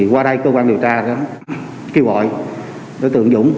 qua đây cơ quan điều tra đã kêu gọi đối tượng dũng